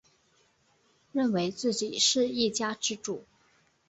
认为自己是一家之主